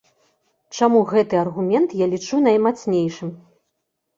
Чаму гэты аргумент я лічу наймацнейшым?